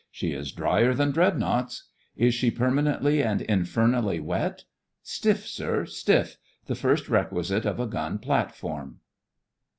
She is drier than Dreadnoughts. Is she permanently and infernally wet.' Stiff, sir — stiff: the first requisite of a gun platform.